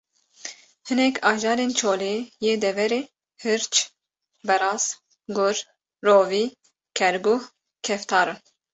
Hinek ajalên çolê yê deverê: hirç, beraz, gur, rovî, kerguh, keftar in